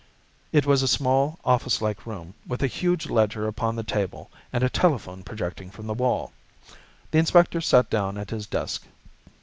It was a small, office like room, with a huge ledger upon the table, and a telephone projecting from the wall. The inspector sat down at his desk.